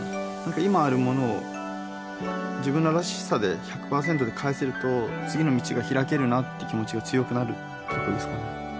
今あるものを自分らしさで１００％で返せると次の道が開けるなって気持ちが強くなるっていうことですかね